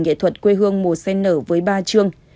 nghệ thuật quê hương mùa sen nở với ba chương